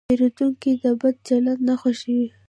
پیرودونکی د بد چلند نه خوښوي.